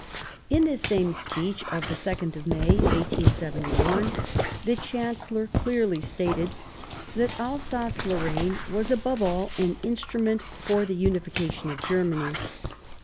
In this same speech of the 2nd of May, 1871, the Chancellor clearly stated that Alsace Lorraine was above all an instrument for the unification of Ger many.